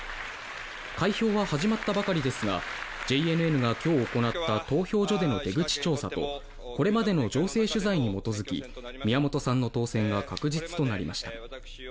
開票は始まったばかりですがＪＮＮが今日行った投票所での出口調査とこれまでの情勢取材に基づき宮本さんの当選が確実となりました。